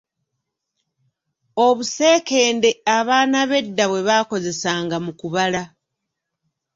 Obuseekende abaana b'edda bwe baakozesanga mu kubala.